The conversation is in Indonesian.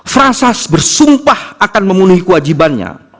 frasas bersumpah akan memenuhi kewajibannya